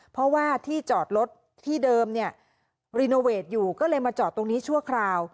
เพราะว่าที่จอดรถที่เดิมเนี่ยรีโนเวทอยู่ก็เลยมาจอดตรงนี้ชั่วคราว